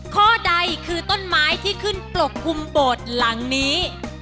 ข้อใดคือต้นไม้ที่ขึ้นปกคลุมโบสถ์หลังนี้